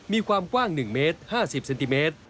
มีความกว้าง๑เมตร๕๐เซนติเมตร